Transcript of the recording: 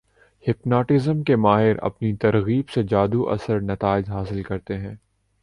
hypnotism کے ماہر اپنی ترغیب سے جادو اثر نتائج حاصل کرتے ہیں